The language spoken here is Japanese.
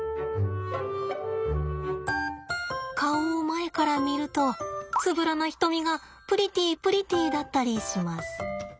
顔を前から見るとつぶらな瞳がプリティープリティーだったりします。